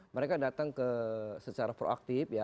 mereka datang secara proaktif ya